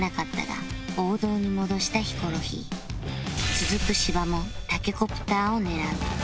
続く芝もタケコプターを狙う